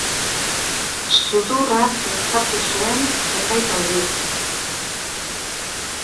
Sudurra zintzatu zuen zenbait aldiz.